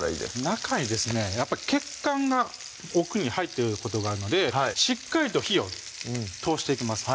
中にですねやっぱ血管が奥に入ってることがあるのでしっかりと火を通していきます